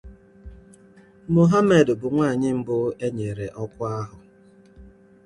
Mohammed bụ nwanyị mbụ e nyere ọkwa ahụ.